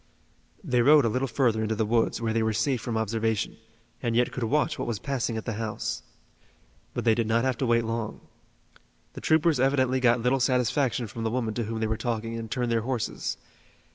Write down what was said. They rode a little further into the woods where they were safe from observation, and yet could watch what was passing at the house. But they did not have to wait long. The troopers evidently got little satisfaction from the woman to whom they were talking and turned their horses.